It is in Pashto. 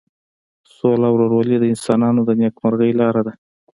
سوله او ورورولي د انسانانو د نیکمرغۍ لاره ده.